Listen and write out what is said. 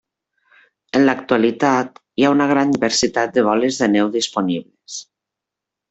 En l'actualitat, hi ha una gran diversitat de boles de neu disponibles.